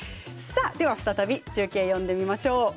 では、再び中継呼んでみましょう。